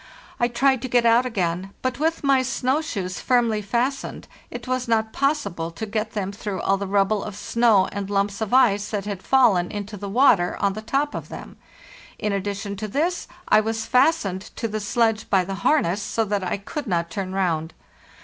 I tried to get out again, but with my snow shoes firmly fastened it was not possible to get them through all the rubble of snow and lumps of ice that had fallen into the water on the top of them. In addition to this, I was fastened to the sledge by the harness, so that I could not turn round.